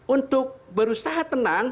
untuk berusaha tenang